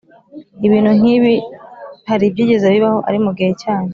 Ibintu nk’ibi hari ibyigeze bibaho, ari mu gihe cyanyu,